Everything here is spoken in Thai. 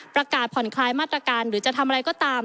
ประกาศผ่อนคลายมาตรการหรือจะทำอะไรก็ตาม